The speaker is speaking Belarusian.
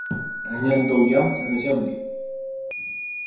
Гняздо ў ямцы на зямлі.